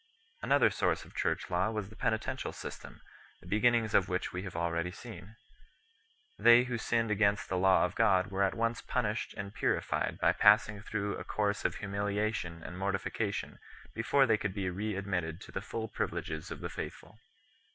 Another source of Church law was the penitential system, the beginnings of which we have already seen 3 . They who sinned against the law of God were at once punished and purified by passing through a course of humiliation and mortification before they could be re admitted to the full privileges of the faithful.